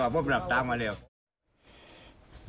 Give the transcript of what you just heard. สู่ระทับจักร